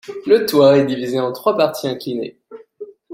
Le toit est divisé en trois parties inclinées.